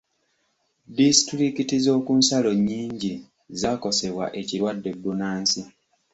Disitulikiti z'oku nsalo nnyingi zaakosebwa ekirwadde bbunansi.